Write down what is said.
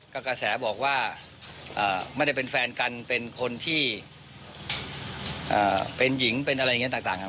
ก็กระแสบอกว่าไม่ได้เป็นแฟนกันเป็นคนที่เป็นหญิงเป็นอะไรอย่างนี้ต่างครับ